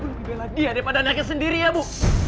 gue lebih bela dia daripada naga sendiri ya bu